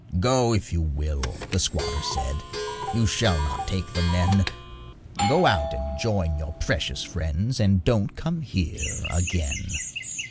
'Go if you will,' the squatter said, 'You shall not take the men Go out and join your precious friends, And don't come here again.'